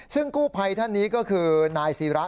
ซึ่งกู้ภัยท่านนี้ก็คือนายศิระ